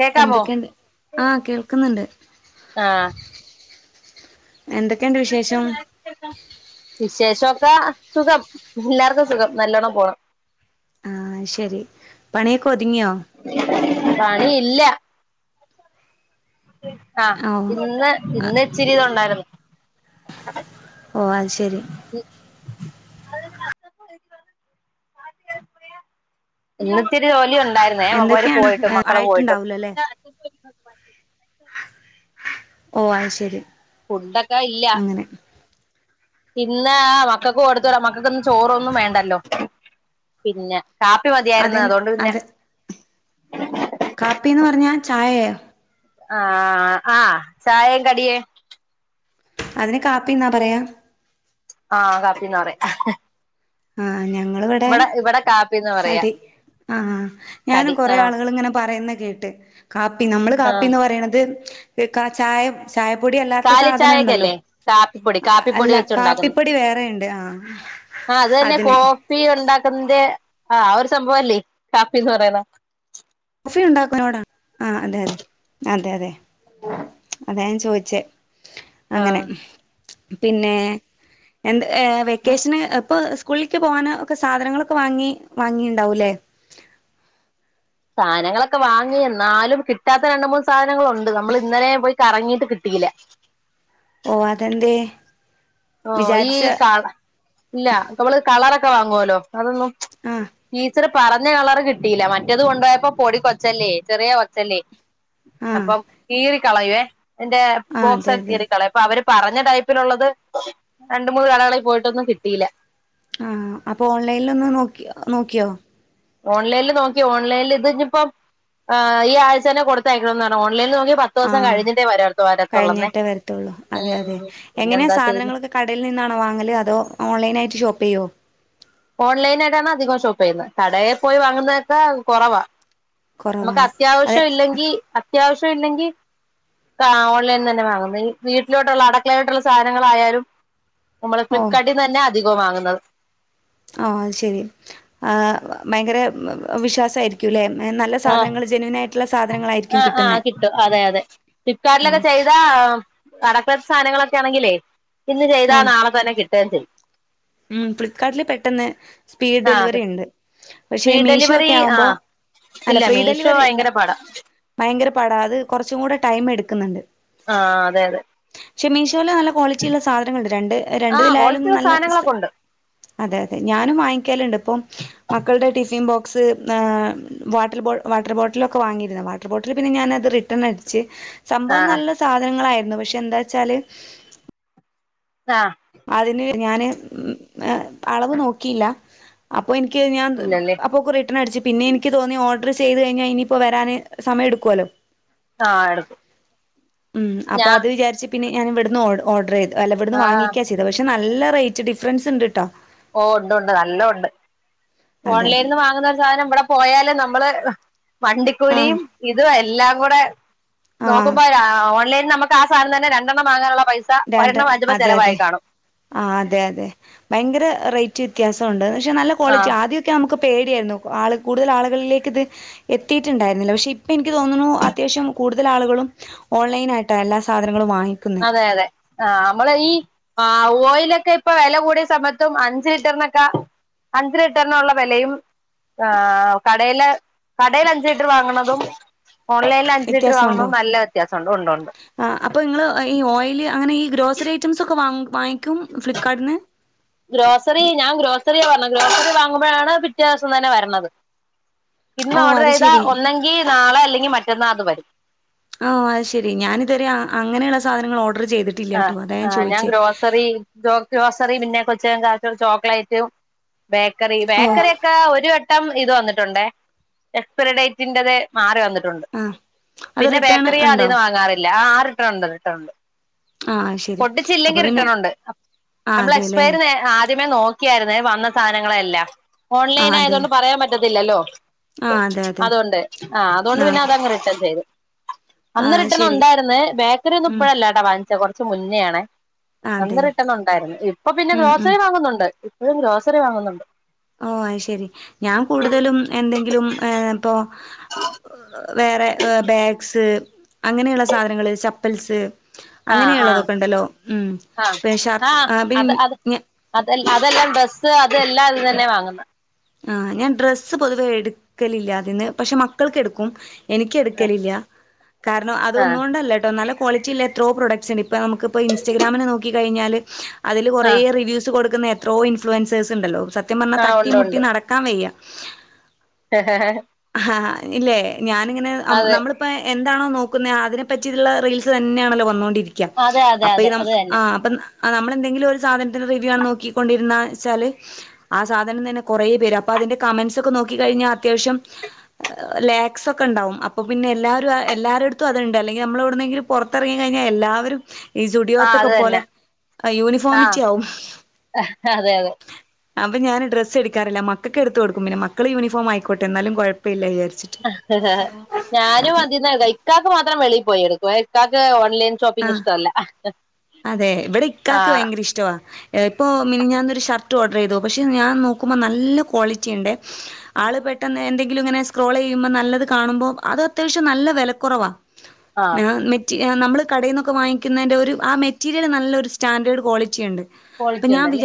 കേക്കാമോ എന്തൊക്കെയുണ്ട് ആ കേൾക്കുന്നുണ്ട് ആഹ് എന്തെക്കേണ്ട് വിശേഷം വിശേഷാെക്ക സുഖം എല്ലാർക്കും സുഖം നല്ലോണം പോണം ആഹ് അത് ശെരി പണിയൊക്കാെത്ങ്ങ്യോ പണി ഇല്ലാ [inaudible] ആഹ് ഓ ഇന്ന് ഇന്ന്‌ച്ചിരി തുണ്ടാരുന്നു ഓ അത് ശരി ഇ [unintelligible] ഇന്ന്ത്തിരി ജോലി ഉണ്ടായിരുന്നേ വര് എന്തൊക്കെയാണ് പോയിട്ടും മക്കള് പോയിട്ടും ആയിട്ടുണ്ടാവൂലോ അല്ലേ ഓഹ് അഅ് ശരി ഫുഡ്ഡൊക്കെ ഇല്ല അങ്ങനെ പിന്നാ മക് ക്കക്ക് കൊടുത്തല മക്കക്ക്ന്ന് ചോറൊന്നും വേണ്ടല്ലോ പിന്ന കാപ്പി മതിയാരുന്നു അതെ അതുകൊണ്ട് പിന്നെ അതെ കാപ്പിന്ന് പറഞ്ഞാ ചായയോ? അ ആ ആഹ് ചായെം കടിയേ അതിന് കാപ്പി ന്നാ പറയാ? ആഹ് കാപ്പിന്നാ പറയ ആഹ് ഞങ്ങള് വെടെ ഇവിടെ കാപ്പിന്ന് പറയാ കടി ആഹ് ഞാനും കടി കൊറെേ ആഹ് ആളുകള് ങ്ങനെ പറയുന്ന കേട്ട് കാപ്പി നമ്മള് ആഹ് കാപ്പിന്ന് പറയണത് ത് കാ ചായ ചായപ്പൊടി അല്ലാത്ത കാലി സാധന ണ്ടല്ലോ ചായക്കല്ലേ കാപ്പിപ്പൊടി അ കാപ്പിപ്പൊടി അല്ല വെച്ചുണ്ടാക്കുന്ന കാപ്പിപ്പൊടി വേറെണ്ട് ആഹ് ആഹ് അത് തന്നെ കോഫി ഉണ്ടാക്കുന്ന ന്റെ ആ ഒരു സംഭവല്ലേ കാഫിന്ന് പറയുന്ന കൊഫി ഉണ്ടാക്കുന്നോട ആഹ് അതെ അതെ അതെ തെ അതാ ഞാ ചോച്ചേ അങ്ങനെ ആഹ് പിന്നേ എന്ത് ഏ വെക്കേഷന് എപ്പ സ്കൂളിലേക്ക് പോകാന് ഒക്കെ സാധനങ്ങളൊക്കെ വാങ്ങി വാങ്ങിണ്ടാവൂല്ലേ സാനങ്ങളൊക്കെ വാങ്ങിഎന്നാലും കിട്ടാത്ത രണ്ട് മൂന്ന് സാധനങ്ങളുണ്ട് നമ്മളിന്നലേ പോയി കറങ്ങീട്ട് കിട്ടീല ഓ അതെന്തേ? ഓ ഈ വിചാരിച്ച കള ല്ല പ മ്മള് കളറൊക്കെ വാങ്ങോലോ അതൊന്നും ആ ഈ ച്ചിരി പറഞ്ഞ കളറ് കിട്ടീല മറ്റത് കൊണ്ടോയപ്പൊ പൊടി കൊച്ചല്ലേ ചെറിയ കൊച്ചല്ലേ ആ അപ്പം കീറി കളയുവേ എന്റെ ആ അതെ ബോക്സൊ അതെ കീറി കളയ പ്പവര് പറഞ്ഞ ടൈപ്പിലുള്ളത് രണ്ടു മൂന്ന് കളകളിൽ പോയിട്ടൊന്നും കിട്ടീല ആഹ് അപോൺലൈൻ ലൊന്ന് നോക്യോ നോക്യോ ഓൺലൈല് നോക്കി ഓൺലൈല് ത് ഞ്ഞിപ്പം ഏ ഈ ആഴ്ച തന്നെ കൊടുത്തയക്കണം ന്നർഞ്ഞ് ഓൺലൈ [unintelligible] ത്തോ ആ സം കഴിഞ്ഞിട്ടേ വരാത്ത വരാത്തുള്ളെന്നേ കഴിഞ്ഞിട്ടേ വരത്തുള്ളൂ ഊം പിന്നെന്താ ചെയ്യ്‌ന്ന് കടേൽ നിന്നാണോ വാങ്ങല് അതോ ഓൺലൈനായിട്ട് ഷോപ്പെയ്യോ? ഓൺലൈനായിട്ടാണധികം ഷോപ്പെയ്യുന്നത്. കടേ പോയി വാങ്ങുന്നതൊക്കെ കൊറവാ. കുറവാ അതെ നമുക്കത്യാവശ്യല്ലെങ്കി അത്യാവശ്യല്ലെങ്കി ക്ക അ ഓൺലൈൻ ന്നെ ന്ന വാങ്ങുന്ന ഈ വീട്ടിലോട്ടുള്ള അടക്കളയോട്ടുള്ള സാനങ്ങളായാലും മ്മള് ഓ ഫ്ലിപ്കാർട്ടിന്നെന്നാധികൊം വാങ്ങുന്നത് ആഹ് ശരി ആ വ ഭയങ്കര വവ വിശ്വാസായിരി ക്കുല്ലെ മേ നല്ല ആഹ് സാധനങ്ങള് ജെനുനായിട്ടുള്ള സാധനങ്ങളായിരിക്കും കിട്ടുന്നെ ട്ടു അതെ അതെ ആ ഫ്ലിപ്കാർട്ടിലൊക്കെ ചെയ്താ [unintelligible] സാനങ്ങളൊക്കാണെങ്കിലേ ഇന്ന് ചെയ്താ ആ നാളെ തന്നെ കിട്ടേം ചെയ് ഉം ഫ്ലിപ്പ്കാർട്ടില് പെട്ടെന്ന് സ്പീ ആഹ് ഡെലിവറി ണ്ട് പക്ഷെ സ്പീഡ് മീഷോ ഡെലിവറി ഒക്കെ ആവുമ്പോ ആഹ് അല്ല ഇല്ല ഫ്രീ മീഷോ ഡെലിവറി അല്ല ഭയങ്കര പാടാ ഭയങ്കര പാടാ അത് കൊറച്ചും കൂടെ ടൈം എടുക്കുന്നുണ്ട് ആഹ് അതെ അതെ ക്ഷെ മീഷോല് നല്ല ക്വാളിറ്റി ഉള്ള സാധനങ്ങളുണ്ട്. രണ്ട് ആഹ് രണ്ടതിലായാലും ക്വാളിറ്റിയുള്ള നല്ല സ സാധനങ്ങളൊക്കെ ഉണ്ട് അതെ അതെ. ഞാനും വാങ്ങിക്കല്ണ്ട്പ്പം. മക്കൾടെ ടിഫിൻ ബോക്സ് ന്നാ വാട്ടൽ ബോ വാട്ടർ ബോട്ടിലൊക്കെ വാങ്ങിരുന്നു. വാ ട്ടർ ബോട്ടില് പിന്നെ ഞാനത് റിട്ടൺ അടിച്ച്. സംഭവം ആഹ് നല്ല സാധനങ്ങളായിരുന്നു. പക്ഷെ ന്താച്ചാല് ന്നാഹ് അതിന് ഞാന് ഉം എ അളവ് നോക്കിയില്ല. അപ്പൊ എനിക്ക് ഞാൻ ത് ഇല്ലല്ലേ അപ്പൊ കുറെ. റിട്ടണട്ച്ച്. പിന്ന എനിക്ക് തോന്നി ഓർഡർ ചെയ്ത് കഴിഞ്ഞാ ഇനിപ്പോ വരാൻ സമയെടുക്കോല്ലോ? ആഹ എടുക്കും. ഉം. അപ്പൊ ഞാ അത് വിചാരിച്ച് പിന്നെ ഞാനിവിടുന്ന് ഓർഡർയ്തു. അല്ല ഇവിടുന്ന് ആഹ് വാങ്ങിക്ക ചെയ് - ചെയ്ത. പക്ഷെ നല്ല റേറ്റ് ഡിഫറൻസ് ഉണ്ട്ട്ടോ? ഓ ഉണ്ട് ഉണ്ട്. നല്ലോണ്ട്. അതെ ഓൺലൈനിൽ നിന്ന് വാങ്ങുന്ന ഒരു സാധനം ഇവിടെ പോയാല് നമ്മള്. ആഹ് വണ്ടിക്കൂലിയും ഇതു എല്ലാം കൂടെ ആഹ് നോക്കുമ്പോഴാ ഓൺലൈൻ നമുക്ക്. ആ സാധനം തന്നെ രണ്ടെണ്ണം വാങ്ങാനുള്ള പൈസ ഒരെണ്ണം വാങ്ങിച്ചെപ്പ ചിലവായി കാണും. ആഹ് അതെ അതെ. ഭയങ്കര റേറ്റ് വ്യത്യാസംണ്ട്. പക്ഷെ, നല്ല ക്വാളിറ്റി ആഹ് ആദ്യ- നമുക്ക് പേടിയായിരുന്നു. ആള് കൂടുതൽ ആളുകളിലേക്ക് ഇത് എത്തിയിട്ടുണ്ടായിരുന്നില്ല. പക്ഷെ- ഇപ്പൊ എനിക്ക് തോന്ന്ണു, അത്യാവശ്യം കൂടുതൽ ആളുകളും ഓൺലൈനായിട്ടാ എല്ലാ സാധനങ്ങളും വാങ്ങിക്ക. അതെ അതെ. ആഹ് നമ്മള് ഈ ആ ഓയിലൊക്കെ ഇപ്പ വില കൂടിയ സമയത്തും, അഞ്ച് ലിറ്ററിനൊക്കെ. അഞ്ച് ലിറ്ററിനുള്ള വെലയും. ആഹ് കടേല് കടേല് അഞ്ച് ലിറ്റർ വാങ്ങ്ണതും ഓൺലൈ- അഞ്ച് ലിറ്റർ വാങ്ങണതും നല്ല വ്യത്യാസണ്ട്. ഉണ്ടൊണ്ട്. ആഹ് അപ്പ ഇങ്ങൾ ഈ ഓയില് അങ്ങനെ ഈ ഗ്രോസറി ഐറ്റംസൊക്കെ വാ വാങ്ങിക്കും ഫ്ലിപ്പ്കാർട്ടിന്ന്. ഗ്രോസറി ഞാൻ ഗ്രോസറിയ പറഞ്ഞത്. ഗ്രോസറി വാങ്ങുമ്പോഴാണ് പിറ്റേ ദിവസം തന്നെ വരണത്. ഇന്ന് ഓ ഓർഡർ അത് ചെയ്താ ശെരി ഒന്നെങ്കിൽ നാളെ, അല്ലെങ്കിൽ മറ്റന്നാ അത് വരും. ഓ അത് ശെരി. ഞാനിതരെ അങ്ങനെയുള്ള സാധനങ്ങൾ ഓർഡർ ചെയ്തിട്ട്- ആഹ് ആഹ്. ഞാൻ ഗ്രോസറി. ഗ്രോസറി പിന്നെ കൊച്ച്ങ്ങൾക്കൊക്കെ ചോക്ലേറ്റ്, ബേക്കറി. ഓ ബേക്കറി ഒക്കെ ഒരു- ഇത് വന്നിട്ടുണ്ടേ? എക്സ്പറി ഡേറ്റ്- മാറി വന്നിട്ടുണ്ട്. ആ അത് പിന്നെ റിട്ടേൺ ബേക്കറി ഉണ്ടോ അതീന്ന് വാങ്ങാറില്ല. ആറിട്ടുണ്ടത്, ട്ടൊണ്ട്. ആഹ് അത്‌ ശെരി പൊട്ടിച്ചില്ലെങ്കിൽ റിട്ടൺ ഉണ്ട്. ആഹ് നമ്മൾ അതെല്ലേ എക്സ്പയറി ആദ്യമേ നോക്ക- ആയിരുന്നേ വന്ന സാധനങ്ങളെല്ലാം. ഓൺലൈൻ ആഹ് അതെ ആയതോണ്ട് പറയാൻ പറ്റത്തില്ലല്ലോ? ആഹ് അതെ അതെ അതുകൊണ്ട്. ആഹ് അതുകൊണ്ട് പിന്നെ ആഹ് അതങ്ങ് റിട്ടൺ ചെയ്തു. അന്ന് ആഹ് റിട്ടൺ ശരി ഉണ്ടായിര്ന്ന്. ബേക്കറി ഒന്നും ഉം ഇപ്പഴല്ലേട്ടാ വാങ്ങിച്ച കുറച്ച മുന്നേണ്. അന്ന് അതെ റിട്ടണുണ്ടായിരുന്നു. ഇപ്പൊ പിന്നെ ഉം ഉം ഗ്രോസറി വാങ്ങുന്നുണ്ട്. ഇപ്പഴും ഗ്രോസറി വാങ്ങുന്നുണ്ട്. ഓ അയ്ശെരി. ഞാൻ കൂടുതലും എന്തെങ്കിലും ഇപ്പൊ. വേറെ ബാഗ്സ്, അങ്ങനെയുള്ള സാധനങ്ങള് ചപ്പൽസ്, ആ ആ അങ്ങനെയുള്ളതൊക്കെണ്ടല്ലോ? ഉം പി ഷർ പിന്ന.. അത അതെല്ലാം ഡ്രസ്സ് അതെല്ലാം അതിന്നന്നേ വാങ്ങുന്നത്. ആഹ്. ഞാൻ ഡ്രസ്സ് പൊതുവേ എടുക്കലില്ല അതിന്ന്. പക്ഷെ മക്കൾക്ക് എടുക്കും. എനിക്ക് എടുക്കലില്ല. കാരണം ആ അതൊന്നൊണ്ടല്ല കേട്ടോ. നല്ല ക്വാളിറ്റി ഉള്ള എത്രോ പ്രൊഡക്ട്സ് ഉണ്ട്. ഇപ്പ നമുക്കിപ്പോൾ ഇൻസ്റ്റഗ്രാമില് നോക്കി കഴിഞ്ഞാൽ അതില് ആ കുറേ റിവ്യൂസ് കൊടുക്കുന്നെണ്. എത്രോ ഇൻഫ്ലുവൻസേഴ്സ് ഉണ്ടല്ലോ. സത്യം പറഞ്ഞാ ആ തട്ടി ഉണ്ട് മുട്ടി ഉണ്ട് നടക്കാൻ വയ്യ. ഹാ ഇല്ലേ. ഞാനിങ്ങനെ അതെ നമ്മടെ. ഇപ്പം എന്താണോ നോക്കുന്നെ അതിനെപ്പറ്റിയുള്ള റീൽസ് തന്നാണല്ലോ വന്നോണ്ടിരിക്ക. അതെ അതെ അപ്പൊ, അതെ അത് തന്നെ ആഹ് അപ്പൊ. ആഹ് നമ്മളെന്തെങ്കിലും ഒരു സാധനത്തിന്റെ റിവ്യൂ ആണ് നോക്കിക്കൊണ്ടിരുന്നച്ചാല്, ആ സാധനം തന്നെ കുറേ വരാ. അപ്പോ അതിന്റെ കമൻസ്ക്കെ നോക്കി കഴിഞ്ഞാൽ ത്യാവശം ലാക്സ് ഒക്കെ ഉണ്ടാവും അപ്പൊ പിന്നെ എല്ലാവും എല്ലാവരുടെടുത്തും അതുണ്ട് അല്ലെങ്കിൽ നമ്മള എവിടുന്നെങ്കിലും പുറത്തിറങ്ങി കഴിഞ്ഞാൽ എല്ലാവരും ഈ ആ സ്റ്റുഡിയോത്തൊക്കെ അത് പോലെ തന്നെ ആ യൂണിഫോമിറ്റി ആവും അതെ അതെ അപ്പ ഞാൻ ഡ്രസ് എടുക്കാറില്ല മക്കൾക്ക് എടുത്ത് കൊടുക്കും പിന്നെ മക്കള് യൂണഫോ ആയിക്കോട്ടെ എന്നാലും കുഴപ്പമില്ല വിചരിച്ചി ഞാനും അതിന്ന ഇക്കാക്ക് മാത്രം വെളിയിൽ പോയി എടുക്കും ഇക്കാക്ക് ഓൺലൈൻ ഷോപ്പിങ് ആഹ് ഇഷ്ടല്ല അതെ ഇവിടെ ഇക്കാക്ക് ഭയങ്കര ത് ഇഷ്ടമാണ് ഇപ്പോൾ മീനി ഞാനൊരുഷർട്ട് ഓഡർ ചെയ്തു. പക്ഷേ ഞാൻ നോക്കുമ്പോൾ നല്ല ക്വാളിറ്റി ഉണ്ട്. ആൽ എന്തങ്കിലും ഇങ്ങനെ സ്ക്രോൾ ചെയ്യുമ്പോൾ നല്ലത് കാണുമ്പോ അത്യാവശ്യം നല്ല വിലക്കുറവാാണ്. ആഹ് നമ്മള് കടയിൽ നിന്നൊക്കെ വാങ്ങിക്കുന്നതിന്റെ ഒരു മെറ്റീരിയൽ നല്ല ഒരു സ്റ്റാൻഡേർഡ് ക്വാളിറ്റി ഉണ്ട് ക്വാളിറ്റി ഞാൻ ഉണ്ടല്ലേ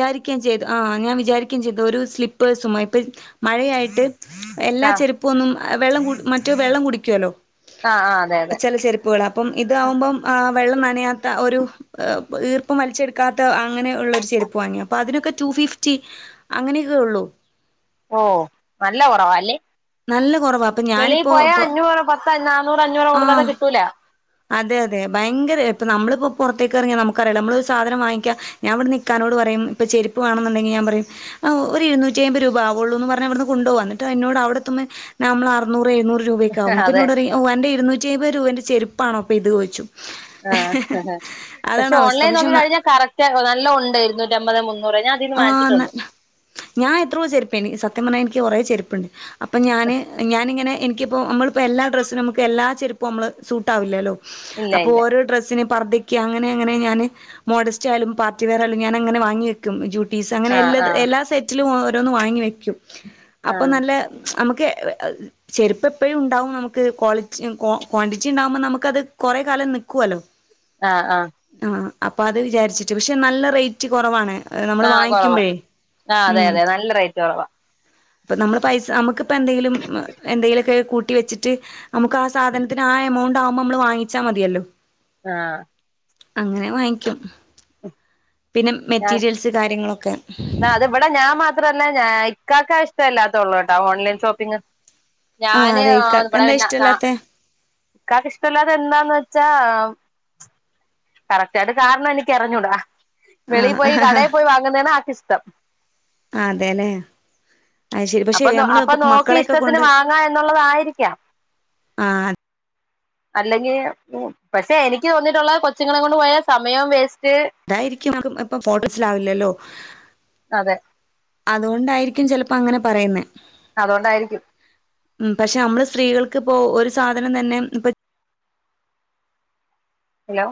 ആ ഞാൻ വിചാരിക്ക സ്ലിപ്പേഴസു മഴയായിട്ട് എല്ലാ ആഹ് ഇപ്പൊന്നും വെള്ളം മറ്റെ വെള്ളം കുടിക്കല്ലോ ആഹ് ആഹ് അതെ അതെ ചില അപ്പം ഇത ആാവുമ്പോം വെള്ളം നനയാത്ത ഒരു ഈർപ്പം വലിച്ചെടുക്കാത്ത അങ്ങനെയ ഉള്ളൊരു ചെരുപ്പ് വാങ്ങി അപ്പോൾ അതിനൊക്കെ ടു ഫിഫ്റ്റി അങ്ങനെയൊക്കെ ഉള്ളൂ ഓ നല്ല കുറവാല്ലേ നല്ല കുറവാ അപ്പൊ വെളിയിൽ പോയാ ഞാനിപ്പോ അഞ്ഞൂറ് പത്ത് നാനൂറ് അഞ്ഞൂറ് കൊടുക്കാതെ ആഹ് കിട്ടൂല അതെ അതെ ഭയങ്കര ഇപ്പൊ നമ്മളിപ്പോ പുറത്തേക്ക് ഇറങ്ങിയ നമുക്കറിയാം നമ്മള ഒരു സാധനം വാങ്ങിക്കാ ഞാൻ ഇവിടെ ഇക്കനോട് പറയും ഇപ്പോ ചെരുപ്പ് വേണംണെന്നുണ്ടെിൽ ഒരു എരുന്നൂറ്റി അമ്പ രൂപവയുള്ളൂ എന്ന് പറഞ് അവിടുന്ന് കൊണ്ട് പോക എന്നിട്ട് എന്നോട് അവിടെഎത്തുമ്പോ നമ്മൾ അറുന്നൂറ് എഴുന്നൂറ് രൂപയ്ക്കാവകും അതെ അപ്പ ിനോട് എന്റെ എഴുന്നൂറ്റിപത് രൂപന്റെ ചെറുപ്പ ആണോ ഇത് എന്ന് ചോയ്ക്കും ആഹ പക്ഷെ അവസ്ഥ ഓൺലൈൻ നോക്കി പക്ഷെ കഴിഞ്ഞാൽ കറക്റ്റ് നല്ല ഉണ്ട്. ഇരുന്നൂറ്റ അമ്പത് മുന്നൂറ് അതിന്ന് ആ വാങ്ങിച്ചിട്ടുണ്ട് ഞാൻ എത്രയോ ചെരുപ്പ് സത്യം പറഞ്ഞ എനിക്ക് കുറെേ ചെരുപ്പുണ്ട്. അപ്പം ഞാൻ ഞാനിങ്ങനെ എനിക്കിപ്പോ നമ്മളിപ്പോൾ എല്ലാ ഡ്രസ്സും നമുക്ക്ല്ലാ ചെറുപ്പും ആാവില്ലല്ലോ ഇല്ല അപ്പൊ ഇല്ല ഓരോ ഡ്രസ്സിന അങ്ങനെ ഞാന് മോഡസ്റ്റ്ായാലും പാർട്ടി വെയർ ആയാലുംഞാനങ്ങന വാങ്ങി വക്കും പീസ് അങ്ങനെ ആഹ് എല്ല ആഹ് എല്ലാ സെറ്റിലും ഓരോന്നന്ന് വാങ്ങി വെക്കും അപ്പൊ ആഹ് നല്ല നമുക്ക് ചെരുപ്പ എപ്പപ്പോഴും ഉണ്ടാവും നമുക്ക് ക്വാളിറ്റി ക്വാണ്ടിറ്റി ഉണ്ടാാവുമ്പോ നമുക്ക് അത് കുറെ കാലം നി ൽക്കുവല്ലോ ആ ആഹ ആ അപ്പൊ അത് വിചാരിച്ചിട്ട് പക്ഷെ നല്ല റേറ്റ് കുറവാണ്. അ നമ്മള് ആഹ് കുറവാ വാങ്ങിക്കുമ്പോഴേ ആഹ് അതെ അതെ നല്ല റേറ്റ് കുറവാ അപ്പം നമ്മൾ പൈസ നമുക്കിപ്പോൾ എന്തെങ്കിലും എന്തെങ്കിലുമൊക്കെ കൂട്ടി വെച്ചിട്ട് നമുക്ക് ആ സാധനത്തിന് ആ എമൗണ്ട് ആവുമ്പോൾ നമ്മള് വാങ്ങിച്ചാൽ മതിയല്ലോ ആഹ അങ്ങനെ വാങ്ങിക്കും പിന്നെ ഞാൻ മെറ്റീരിയൽസ് കാര്യങ്ങളൊക്കെ അത് ഇവിടെ ഞാൻ മാത്രമല്ല ഇക്കക്കാ ഇഷ്ടമല്ലാത്തള്ളൂ കേട്ടോ ഓൺലൈൻ ഷോപ്പിംഗ്. ആഹ് ഞാന് അതെ ഇക്കാക്ക് ഇവിടെ എന്താ പിന്നെ ഇഷ്ടല്ലാത്തെ നിക്കാക്ക് ഇഷ്ടമല്ലാതെ എന്താന്ന് വെച്ചാ കറക്റ്റ് ആയിട്ട് കാരണം എനിക്ക് അ റിഞ്ഞൂടാ വെളിൽ ആഹ് പോയി ആഹ് കടയിൽ പോയി വാങ്ങുന്നത ആക്ക്ിഷ്ടം അതെ അപ്പൊ നോക്കി മക്കളെയൊക്കെ ഇഷ്ടത്തിന് കൊണ്ട് വാങ്ങാം എന്നുള്ളതായിരിക്കാം. ആഹ് അല്ലെങ്കിൽ പക്ഷെ എനിക്ക് തോന്നിയിട്ടുള്ള കൊച്ചുകള കൊണ്ട് പോയ സമയം വേസ്റ്റ് അതായിരിക്കും ഇപ്പൊ ഫോട്ടോസിലാവില്ലല്ലോ. അതെ അതുകൊണ്ടായിരിക്കും ചിലപ്പോ അങ്ങനെ പറയുന്ന അതൊണ്ടായിരികും പക്ഷെ അമ്മള് സ്ത്രീകൾക്ക്പ്പോഒര് സാധനം തന്നെഇപ്പ ഹലോ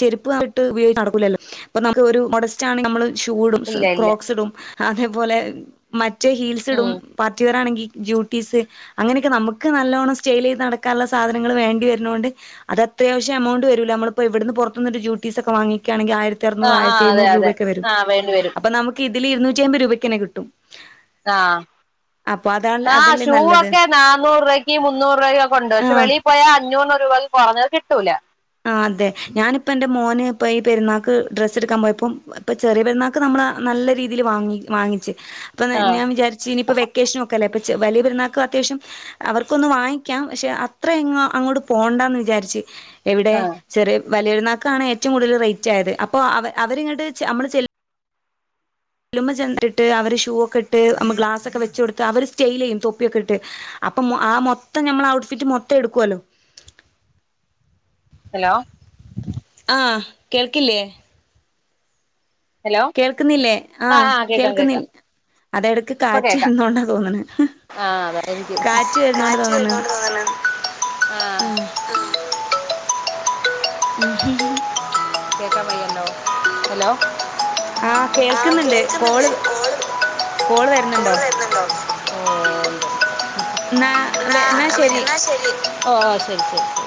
ചെരുപ്പായിട്ട് ഉപയോഗച്ച് നടക്കൂല്ലോ ഇപ്പ നമുക്ക് ഒരു മൊടസ്റ്റ്ആണെൽ നമ്മള് ഷൂടും ഇല്ല ഇല്ല ക്രോക്സ്ടും അതേപോലെ മറ്റേ ഹീൽസ്ടും ഉം പാർട്ടിവർ ആണെങ്കിൽ ഡ്യൂട്ടീസ് അങ്ങനൊക്കെ നമുക്ക് നല്ലോണ്ണം സ്റ്റെൽ ചെയ്ത് നടക്കാള്ള സാധനങ്ങൾ വേണ്ടി വെര്നോണ്ട് അത് അത്യാവശ്യ എമൗണ്ട് വരൂലേ നമ്മള്പ്പോഇവിടുന്ന് പൊർത് ന്ട്ട് ജ്യുട്ടീസ്ഒക്കെ വാങ്ങിക്കുകണെങ്കിൽആയിര ത്തിയർന്നു ആ ആ അതെ ആയിരത്തിഴ്ന്നൂറ് അതെ രൂപയൊക്കെ വരും ആ വേണ്ടി വരും അപ്പൊനമുക്കിതില് ഇര്ന്നൂറ്റി എമ്പത് രൂപക്കന്നെകിട്ടും ആഹ് അപ്പൊഅതാൺ ആഹ് ഷൂഒക്കെ നാനൂറ് രൂവക്ക് മുന്നൂറ് രൂവക്ക്‌ഒക്കെഒണ്ട് ആഹ് ക്ഷെവെളീപോയാ അഞ്ഞൂറ് രൂപ കൊറഞ്ഞത്കിട്ടൂല ആഹ് അതെ ഞാനിപ്പന്റെ മോന്പ്പ ഈ പെരുന്നാക്ക് ഡ്രസ്സ് ട്ക്കാൻ പോയപ്പം ഇപ്പ ചെറിയ പെര്ന്നാ ക്ക്‌നമ്മളാനല്ലരീതില് വാങ്ങി ആഹ് വാങ്ങിച്ച്പ്പഞാൻ വിജാര്ചീനിപ്പവെ ക്കേഷ്നൊക്കല്ലേപച്ച് വലിയപെരുന്നൾക്ക്‌അത്യാശ്യം അവർക്കൊന്ന് വാങ്ങിക്ക്യാം പഷേ അത്രഎങ്ങാഅങ്ങോട്ട് പോണ്ടാന്ന് വിചാരിച്ച് എവിടെ ആഹ് ചെറിയ വലിയൊരുന്നാക്കാണ്ഏറ്റും കൂടുതൽ റൈറ്റ് ആയത്അപ്പോ അവ അവര് അവരിങ്ങട്ട് ചെനമ്മള്ച്ചെൽ ലുമ്മ ചെന്ന് ഇട്ട് അവര് ഷൂ ഒക്കെ ഇട്ട് നമ്മ് ഗ്ലാസൊക്കെവെചൊട്ത്ത് അവര് സ്റ്റെലിയ്യും തൊപ്പിയൊക്കെ ഇട്ട് അപ്പൊ മൊ ആമൊത്തം ഞമ്മള് ഔട്ട്ഫിറ്റ് മൊത്തംഎടുക്ക്വലോ ഹലോ ആഹ് കേൾക്കില്യേ ഹലോ കേൾക്ക്ന്നില്ലേ ആഹ് കേൾക്ക്ന്നി അതെടക്ക് ഇപ്പൊ കാറ്റ് കേക്കാം എന്നോണ്ടാതോന്ന്ണ് ആഹ് അതായിരിക്യും കാറ്റ് വർനോണ്ട്ന്ന് പർഞ്ഞാ ആഹ് ആ ഹ [unintelligible] കേൾക്കാൻ കയ്യ്ണ്ടോ ഹലോ ആഹ് കേൾക്ക്‌ന്ണ്ട് കോള് കോള് വെര്ന്ണ്ടോ ആഹ് ന്നാ വെ ന്നാശെരി ഓ ശെരി ശരി